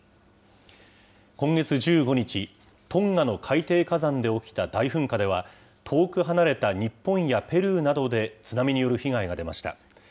今月１５日、トンガの海底火山で起きた大噴火では、遠く離れた日本やペルーなどで津波による被害が出ました。